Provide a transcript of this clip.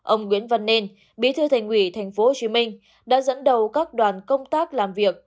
ông nguyễn văn nên bí thư thành ủy tp hcm đã dẫn đầu các đoàn công tác làm việc